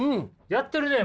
やってるね！